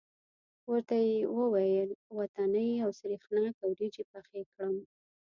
ورته یې وویل وطنۍ او سرېښناکه وریجې پخې کړم.